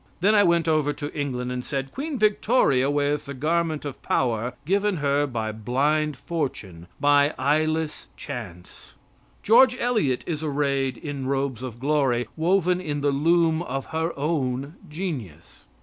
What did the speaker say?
Then I went over to England, and said "Queen Victoria wears the garment of power given her by blind fortune, by eyeless chance; 'George Eliot' is arrayed in robes of glory, woven in the loom of her own genius."